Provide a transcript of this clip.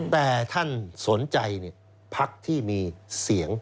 แต่ท่านสนใจพักที่มีเสียง